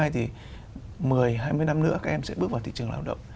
thì một mươi hai mươi năm nữa các em sẽ bước vào thị trường lao động